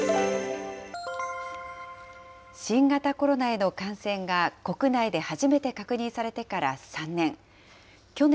新型コロナへの感染が国内で初めて確認されてから３年。